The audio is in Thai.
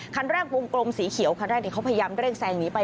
คันแรกวงกลมสีเขียวคันแรกเขาพยายามเร่งแซงหนีไป